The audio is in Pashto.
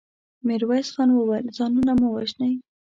ميرويس خان وويل: ځانونه مه وژنئ.